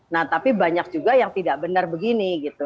nah tapi banyak juga yang tidak benar begini gitu